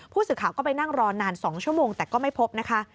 ผู้สื่อข่าวก็ไปนั่งรอนาน๒ชั่วโมงแต่ก็ไม่พบนะคะ